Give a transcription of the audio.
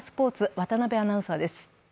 渡部アナウンサーです。